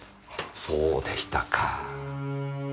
そうでしたか。